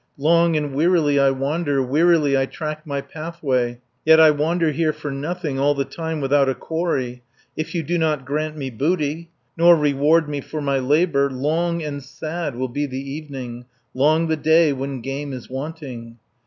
Long and wearily I wander, Wearily I track my pathway, Yet I wander here for nothing, All the time without a quarry. If you do not grant me booty, Nor reward me for my labour, 150 Long and sad will be the evening, Long the day when game is wanting.